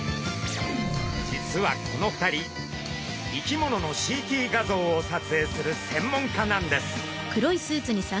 実はこの２人生き物のＣＴ画像を撮影する専門家なんです。